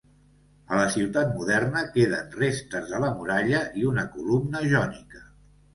A la ciutat moderna queden restes de la muralla i una columna jònica.